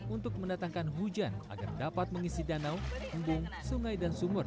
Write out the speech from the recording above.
untuk mendatangkan hujan agar dapat mengisi danau embung sungai dan sumur